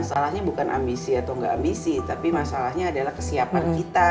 masalahnya bukan ambisi atau nggak ambisi tapi masalahnya adalah kesiapan kita